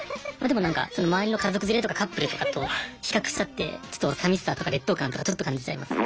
でもなんか周りの家族連れとかカップルとかと比較しちゃってちょっと寂しさとか劣等感とかちょっと感じちゃいます。